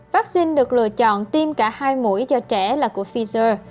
vaccine được lựa chọn tiêm cả hai mũi cho trẻ là của pfizer